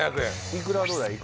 いくらはどうだい？